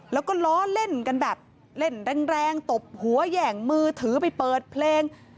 แล้วก็ล้อเล่นกันแบบเล่นแรงตบหัวแหย่งมือถือไปเปิดเพลง